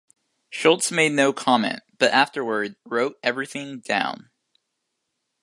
Schultz made no comment, but afterward, wrote everything down.